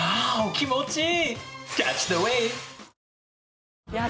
気持ちいい！